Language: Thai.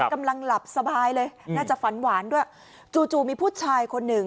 กำลังหลับสบายเลยน่าจะฝันหวานด้วยจู่จู่มีผู้ชายคนหนึ่ง